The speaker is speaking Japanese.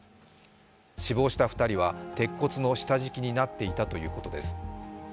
死亡した２人は鉄骨の下敷きになっていたということです。